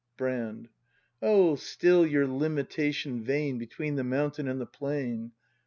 Brand. O, still your limitation vain Between the mountain and the plain!